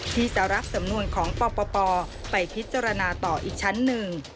ที่จะรับสำนวนของปปไปพิจารณาต่ออีกชั้นหนึ่ง